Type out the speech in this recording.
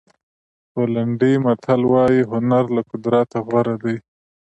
پولنډي متل وایي هنر له قدرت غوره دی.